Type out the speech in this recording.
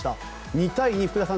２対２、福田さん